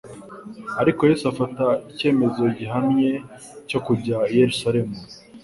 Ariko Yesu afata «icyemezo gihamye cyo kujya i Yerusalemu.»